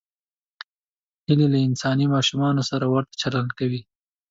هیلۍ له انساني ماشومانو سره ورته چلند کوي